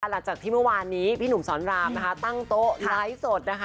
หลังจากที่เมื่อวานนี้พี่หนุ่มสอนรามนะคะตั้งโต๊ะไลฟ์สดนะคะ